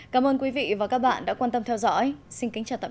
cảm ơn quý vị đã quan tâm theo dõi